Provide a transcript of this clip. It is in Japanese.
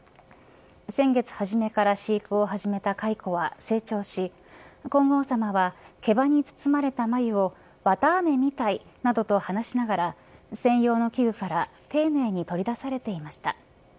先月初めから飼育を始めた蚕は成長し皇后さまは、毛羽に包まれた繭をわたあめみたいなどと話しながら専用の器具から丁寧に取り出されていました。